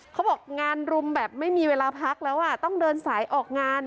เขาบอกงานรุมแบบไม่มีเวลาพักแล้วอ่ะต้องเดินสายออกงาน